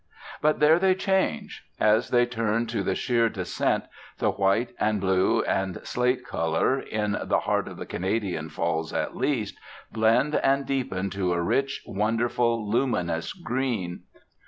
But there they change. As they turn to the sheer descent, the white and blue and slate colour, in the heart of the Canadian Falls at least, blend and deepen to a rich, wonderful, luminous green.